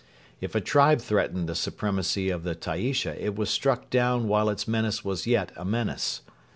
If a tribe threatened the supremacy of the Taaisha it was struck down while its menace was yet a menace.